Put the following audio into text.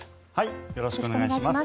よろしくお願いします。